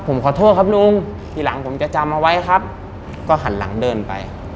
ผมขอโทษครับลุงทีหลังผมจะจำเอาไว้ครับก็หันหลังเดินไป